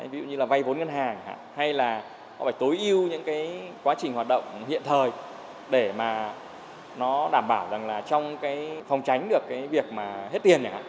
ví dụ như là vay vốn ngân hàng hay là họ phải tối ưu những cái quá trình hoạt động hiện thời để mà nó đảm bảo rằng là trong cái phòng tránh được cái việc mà hết tiền